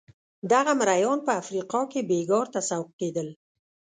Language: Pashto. دغه مریان په افریقا کې بېګار ته سوق کېدل.